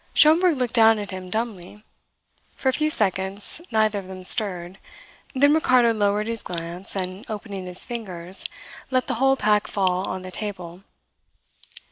Schomberg looked down at him dumbly. For a few seconds neither of them stirred; then Ricardo lowered his glance, and, opening his fingers, let the whole pack fall on the table.